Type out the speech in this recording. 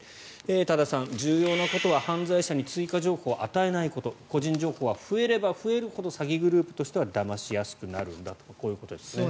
多田さんは重要なことは犯罪者に追加情報を与えないこと個人情報は増えれば増えるほど詐欺グループはだましやすくなるんだということですね。